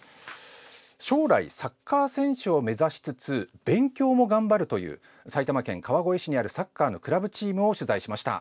将来サッカー選手を目指しつつ勉強も頑張るという埼玉県川越市にあるサッカーのクラブチームを取材しました。